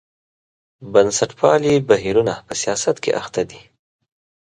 بنسټپالي بهیرونه په سیاست کې اخته دي.